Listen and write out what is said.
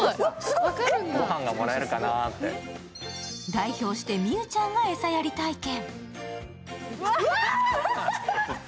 代表して美羽ちゃんが餌やり体験。